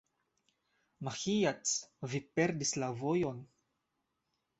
Maĥiac, vi perdis la vojon.